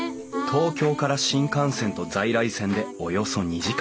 東京から新幹線と在来線でおよそ２時間。